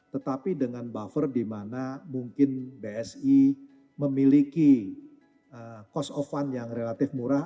tetapi dengan buffer di mana mungkin bsi memiliki cost of fund yang relatif murah